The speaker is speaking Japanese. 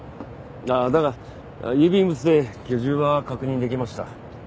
だが郵便物で居住は確認できました。